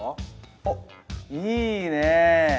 おっいいね！